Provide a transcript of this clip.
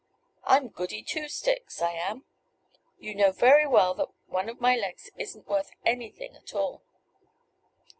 I'm Goody Two sticks, I am. You know very well that one of my legs isn't worth anything at all."